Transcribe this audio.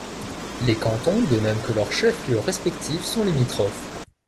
Les cantons, de même que leurs chefs-lieux respectifs, sont limitrophes.